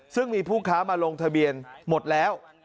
ซึ่งมีผู้ค้ามาลงทะเบียนหมดแล้ว